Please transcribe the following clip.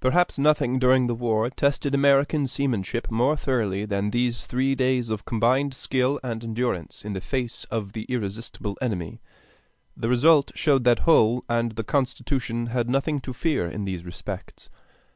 Perhaps nothing during the war tested American seamanship more thoroughly than these three days of combined skill and endurance in the face of the irresistible enemy. The result showed that Hull and the Constitution had nothing to fear in these respects.